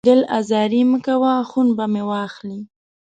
دل ازاري مه کوه، خون به مې واخلې